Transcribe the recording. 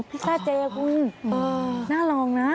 พิซซ่าเจคุณน่าลองนะ